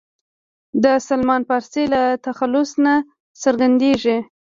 د سلمان فارسي له تخلص نه څرګندېږي.